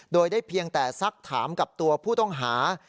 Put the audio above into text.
โดยได้เพียงแต่สักถามกับตัวผู้ต้องหา